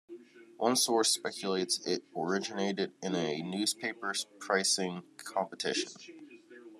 One source speculates it originated in a newspaper pricing competition.